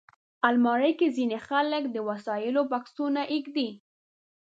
الماري کې ځینې خلک د وسایلو بکسونه ایږدي